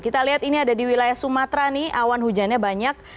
kita lihat ini ada di wilayah sumatera nih awan hujannya banyak